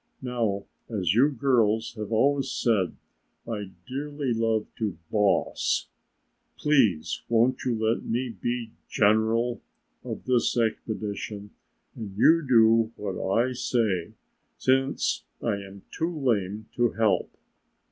Now as you girls have always said I dearly loved to boss, please, won't you let me be general of this expedition and you do what I say since I am too lame to help?"